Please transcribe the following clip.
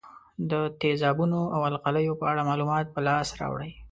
د تیزابونو او القلیو په اړه معلومات په لاس راوړئ.